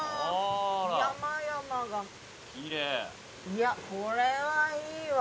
いやこれはいいわ。